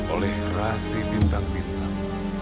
oleh rahasi bintang bintang